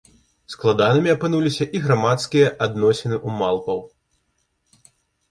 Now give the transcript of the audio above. Складанымі апынуліся і грамадскія адносіны ў малпаў.